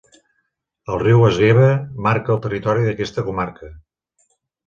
El riu Esgueva marca el territori d'aquesta comarca.